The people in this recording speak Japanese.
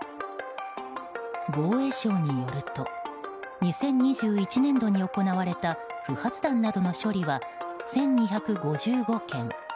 防衛省によると２０２１年度に行われた不発弾などの処理は１２５５件。